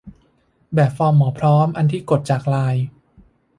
แบบฟอร์มหมอพร้อม อันที่กดจากไลน์